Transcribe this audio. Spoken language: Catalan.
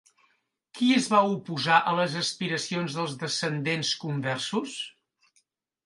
Qui es va oposar a les aspiracions dels descendents conversos?